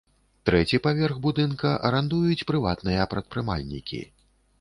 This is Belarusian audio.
Трэці паверх будынка арандуюць прыватныя прадпрымальнікі.